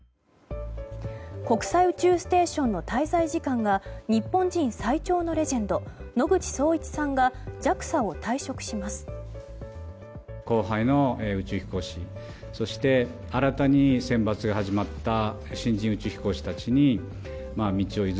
国際宇宙ステーションの滞在時間が日本人最長のレジェンド野口聡一さんがＪＡＸＡを退職します。